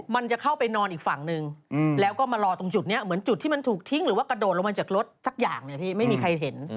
มันจะเข้าไปนอนอีกฝั่งหนึ่งแล้วก็มารอตรงจุดนี้เหมือนจุดที่มันถูกทิ้งหรือว่ากระโดดลงมาจากรถสักอย่างเนี่ยพี่ไม่มีใครเห็น